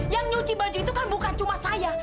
yang nyuci baju itu kan bukan cuma saya